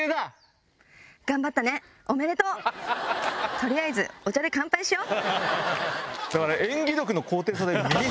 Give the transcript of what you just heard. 取りあえずお茶で乾杯しよう！